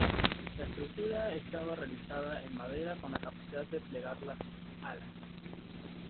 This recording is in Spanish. La estructura estaba realizada en madera, con la capacidad de plegar las alas.